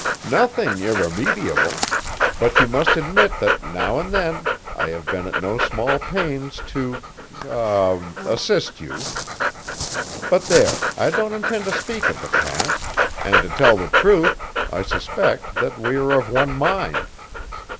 "Nothing irremediable, but you must admit that now and then I have been at no small pains to er assist you. But there, I don't intend to speak of the past; and to tell the truth, I suspect that we are of one mind.